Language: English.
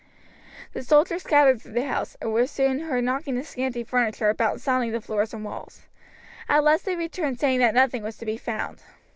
The soldiers scattered through the house, and were soon heard knocking the scanty furniture about and sounding the floors and walls. At last they returned saying that nothing was to be found.